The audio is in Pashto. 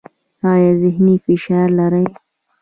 ایا ذهني فشار لرئ؟